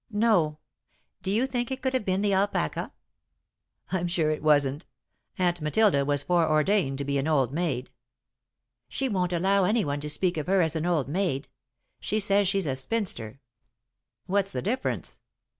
"No. Do you think it could have been the alpaca?" "I'm sure it wasn't. Aunt Matilda was foreordained to be an old maid." "She won't allow anyone to speak of her as an old maid. She says she's a spinster." "What's the difference?"